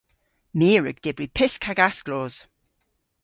My a wrug dybri pysk hag asklos.